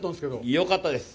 よかったです。